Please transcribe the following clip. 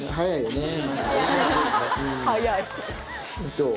どう？